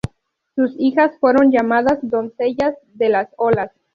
Sus hijas fueron llamadas "doncellas de las olas".